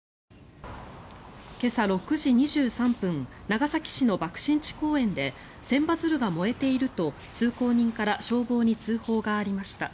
今朝６時２３分長崎市の爆心地公園で千羽鶴が燃えていると通行人から消防に通報がありました。